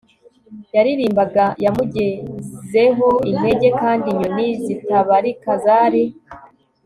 yaririmbaga yamugezeho intege, kandi inyoni zitabarika zari